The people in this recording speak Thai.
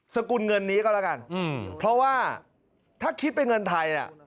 สกุลเงินนี้ก็แล้วกันเพราะว่าถ้าคิดเป็นเงินไทยน่ะ